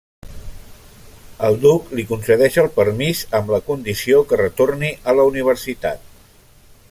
El duc li concedeix el permís, amb la condició que retorni a la universitat.